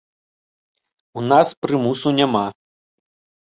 У нас прымусу няма.